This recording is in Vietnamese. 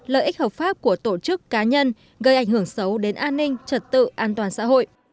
lợi ích hợp pháp của tổ chức cá nhân gây ảnh hưởng xấu đến an ninh trật tự an toàn xã hội